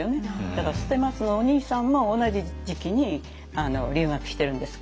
だから捨松のお兄さんも同じ時期に留学してるんです。